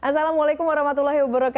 assalamualaikum wr wb